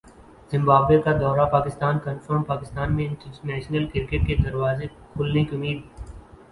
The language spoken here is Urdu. زمبابوے کا دورہ پاکستان کنفرم پاکستان میں انٹرنیشنل کرکٹ کے دروازے کھلنے کی امید